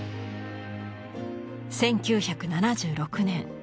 １９７６年